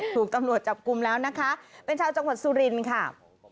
ถูกตำรวจจับกลุ่มแล้วนะคะเป็นชาวจังหวัดสุรินทร์ค่ะ